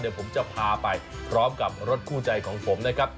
เดี๋ยวผมจะพาไปพร้อมกับรถคู่ใจของผมนะครับ